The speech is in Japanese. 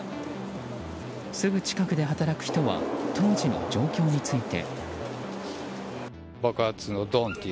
すぐ近くで働く人は当時の状況について。